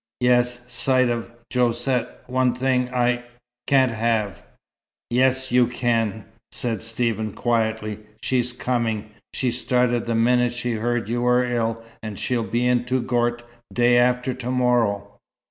"Yes. Sight of Josette. One thing I can't have." "Yes, you can," said Stephen quietly. "She's coming. She started the minute she heard you were ill, and she'll be in Touggourt day after to morrow."